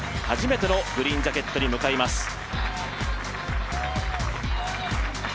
初めてのグリーンジャケットに向かいます。